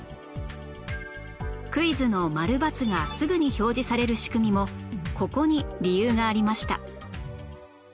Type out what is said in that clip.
クイズのマルバツがすぐに表示される仕組みもここに理由がありました